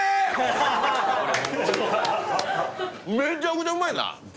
めちゃくちゃうまいな！